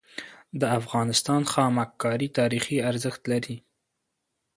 د افغانستان خامک کاری تاریخي ارزښت لري.